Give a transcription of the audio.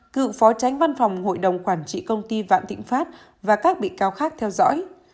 cựu phó tránh văn phòng hội đồng quản trị công ty vạn thịnh pháp và các bị cáo khác theo dõi